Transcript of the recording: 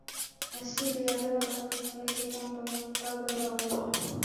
asili ya baba yake Kwamba baba wa Obama